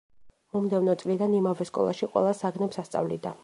მომდევნო წლიდან იმავე სკოლაში ყველა საგნებს ასწავლიდა.